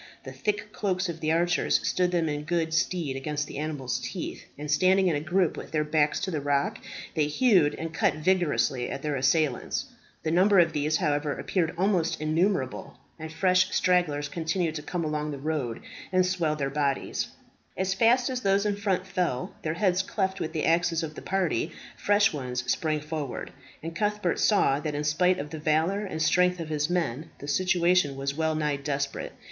The thick cloaks of the archers stood them in good stead against the animals' teeth, and standing in a group with their backs to the rock, they hewed and cut vigorously at their assailants. The numbers of these, however, appeared almost innumerable, and fresh stragglers continued to come along the road, and swell their body. As fast as those in front fell, their heads cleft with the axes of the party, fresh ones sprang forward; and Cuthbert saw that in spite of the valour and strength of his men, the situation was well nigh desperate.